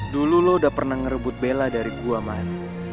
dulu lo udah pernah ngerebut bella dari gua man